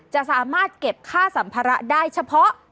จะสามารถเก็บค่าสัมภาระได้เฉพาะ